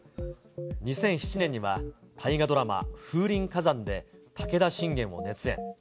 ２００７年には大河ドラマ、風林火山で武田信玄を熱演。